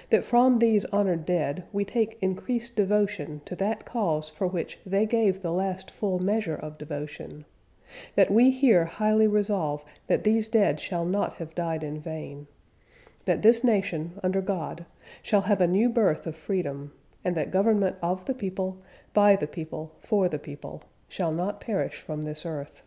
. .that from these honored dead we take increased devotion to that cause for which they gave the last full measure of devotion. .. that we here highly resolve that these dead shall not have died in vain. .. that this nation, under God, shall have a new birth of freedom. .. and that government of the people. . .by the people. . .for the people. .. shall not perish from this earth.